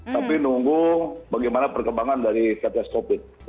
tapi nunggu bagaimana perkembangan dari syarjah skokit